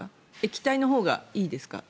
液体のほうがいいですか？